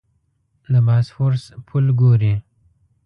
د باسفورس پل ګورې.